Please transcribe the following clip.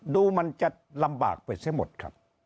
ดูมันจะลำบากไปเสียหมดครับ